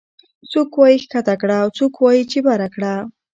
څوک وايي ښکته کړه او څوک وايي چې بره کړه